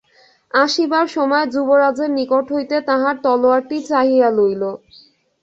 আসিবার সময় যুবরাজের নিকট হইতে তাঁহার তলােয়ারটি চাহিয়া লইল।